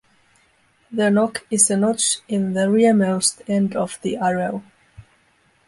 The nock is a notch in the rearmost end of the arrow.